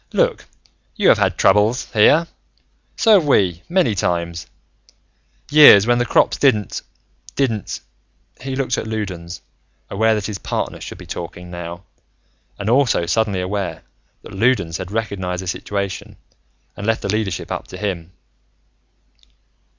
"Look, you have had troubles, here. So have we, many times. Years when the crops didn't ... didn't...." He looked at Loudons, aware that his partner should be talking now, and also suddenly aware that Loudons had recognized the situation and left the leadership up to him....